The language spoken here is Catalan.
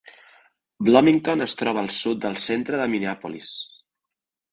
Bloomington es troba al sud del centre de Minneapolis.